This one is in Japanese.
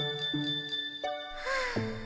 はあ。